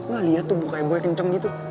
gak liat tuh bukanya gue kenceng gitu